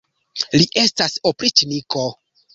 Li estas opriĉniko.